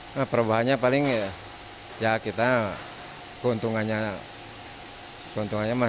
nah perubahannya paling ya kita keuntungannya masih dipangkas gitu sama kenaikan kedelai